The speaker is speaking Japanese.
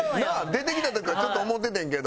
出てきた時からちょっと思っててんけど。